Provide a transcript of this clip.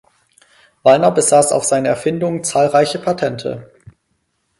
Waller besaß auf seine Erfindungen zahlreiche Patente.